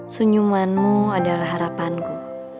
sunyumanmu adalah harapanku